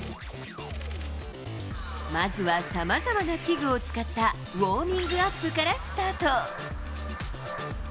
まずはさまざまな器具を使ったウォーミングアップからスタート。